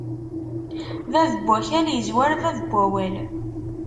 Bab n wakal, izwar bab n wawal.